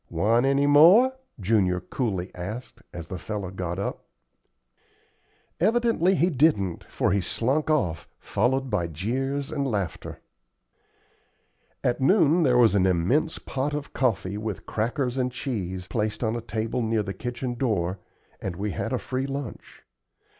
"Want any more?" Junior coolly asked, as the fellow got up. Evidently he didn't, for he slunk off, followed by jeers and laughter. At noon there was an immense pot of coffee with crackers and cheese, placed on a table near the kitchen door, and we had a free lunch.